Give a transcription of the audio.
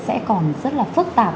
sẽ còn rất là phức tạp